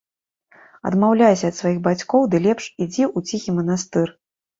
Адмаўляйся ад сваіх бацькоў ды лепш ідзі ў ціхі манастыр.